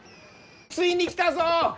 ついに来たぞ！